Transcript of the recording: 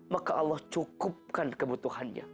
maka allah cukupkan kebutuhannya